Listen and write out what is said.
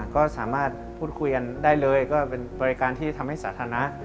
ก็สามารถพูดคุยกันได้เลยก็เป็นบริการที่ทำให้สาธารณะ